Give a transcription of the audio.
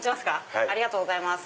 ありがとうございます。